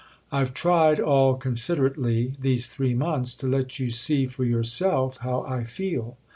"I've tried, all considerately—these three months—to let you see for yourself how I feel.